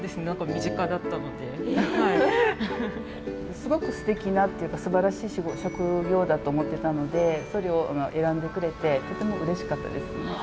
すごくすてきなっていうかすばらしい職業だと思ってたのでそれを選んでくれてとてもうれしかったですね。